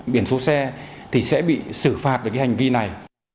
biển số xe thì sẽ bị xử phạt về cái hành vi này